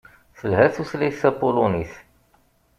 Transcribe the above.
Telhat tutlayt tapulunit.